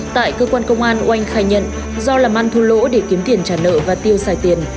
tại cơ quan công an oanh khai nhận do làm ăn thua lỗ để kiếm tiền trả nợ và tiêu xài tiền